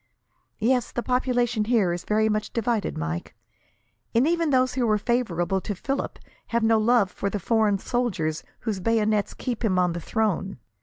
"Yes; the population here is very much divided, Mike, and even those who are favourable to Philip have no love for the foreign soldiers whose bayonets keep him on the throne.